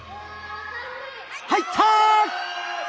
入った！